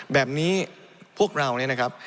แบบนี้พวกเราเนี่ยนะครับ